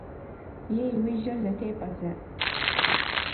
Ей, уи жьэр зэтепӏэ зэ!